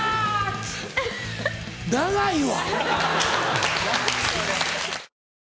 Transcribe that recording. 長いわ。